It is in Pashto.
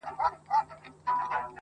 له سهاره تر ماښامه به کړېږم -